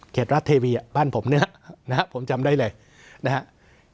รัฐทีวีบ้านผมเนี่ยนะครับผมจำได้เลยนะครับ